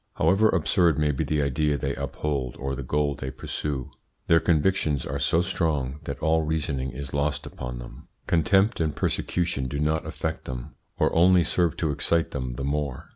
However absurd may be the idea they uphold or the goal they pursue, their convictions are so strong that all reasoning is lost upon them. Contempt and persecution do not affect them, or only serve to excite them the more.